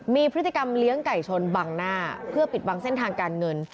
มีพฤติกรรมเลี้ยงไก่ชนบังหน้าเพื่อปิดบังเส้นทางการเงิน